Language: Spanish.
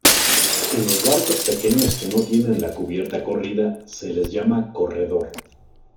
En los barcos pequeños que no tienen la cubierta corrida, se les llama "corredor".